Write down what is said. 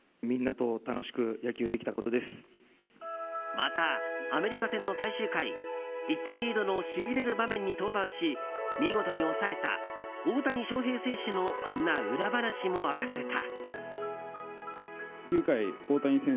また、アメリカ戦の最終回１点リードのしびれる場面に登板し見事に抑えた大谷翔平選手のこんな裏話も明かされた。